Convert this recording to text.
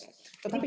tapi bagaimana ini